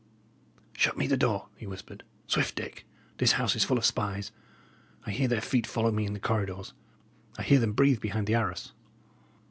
"Shut me the door," he whispered. "Swift, Dick! This house is full of spies; I hear their feet follow me in the corridors; I hear them breathe behind the arras."